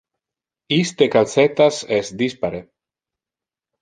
Iste calcettas es dispare.